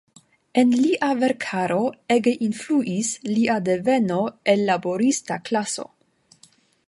En lia verkaro ege influis lia deveno el laborista klaso.